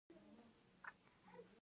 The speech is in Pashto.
دا کار ما پخپله کړی، بل څوک پکې نشته.